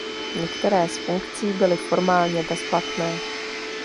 Některé z funkcí byly formálně bezplatné.